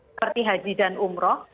seperti haji dan umroh